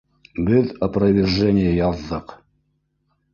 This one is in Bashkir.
Беҙ опровержение яҙҙыҡ